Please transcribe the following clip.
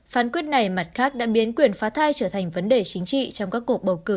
phán quyết này mặt khác đã biến quyền phá thai trở thành vấn đề chính trị trong các cuộc bầu cử